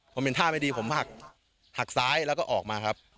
ผมเห็นท่าไม่ดีผมหักหักซ้ายแล้วก็ออกมาครับ